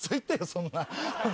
そんな。